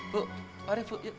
bu mari bu